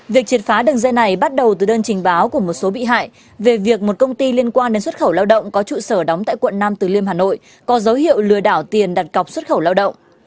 việc triệt phá đường dây này bắt đầu từ đơn trình báo của một số bị hại về việc một công ty liên quan đến xuất khẩu lao động có trụ sở đóng tại quận nam từ liêm hà nội có dấu hiệu lừa đảo tiền đặt cọc xuất khẩu lao động